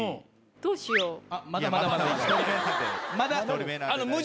まだまだ。